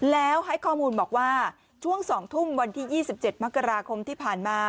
แล้วให้ข้อมูลบอกว่าช่วง๒ทุ่มวันที่๒๗มกราคมที่ผ่านมา